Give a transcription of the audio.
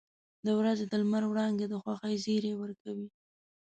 • د ورځې د لمر وړانګې د خوښۍ زیری ورکوي.